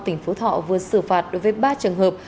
tỉnh phú thọ vừa xử phạt đối với ba trường hợp